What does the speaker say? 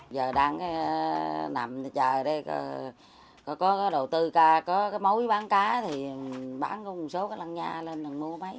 giờ đang nằm trời đây có đầu tư có mối bán cá thì bán có một số cái lăng nha lên là mua mấy